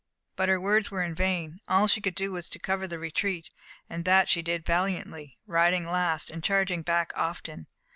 But her words were in vain. All she could do was to cover the retreat, and that she did valiantly, riding last, and charging back often.